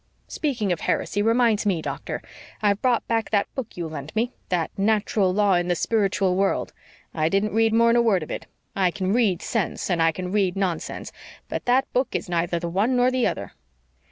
Speaking of heresy, reminds me, doctor I've brought back that book you lent me that Natural Law in the Spiritual World I didn't read more'n a third of it. I can read sense, and I can read nonsense, but that book is neither the one nor the other."